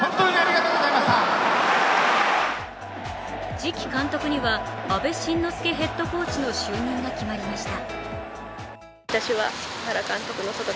次期監督には阿部慎之助ヘッドコーチの就任が決まりました。